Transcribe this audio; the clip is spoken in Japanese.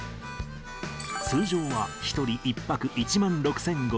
通常は１人１泊１万６５００円。